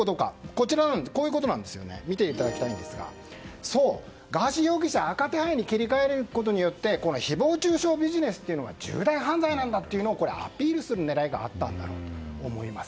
こちらを見ていただくとガーシー容疑者を赤手配に切り替えることによって誹謗中傷ビジネスというのは重大犯罪なんだというのをアピールする狙いがあったんだと思います。